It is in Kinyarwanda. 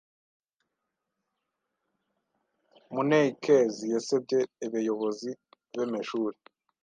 Muneykezi yesebye ebeyobozi b’emeshuri